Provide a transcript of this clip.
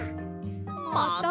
また！？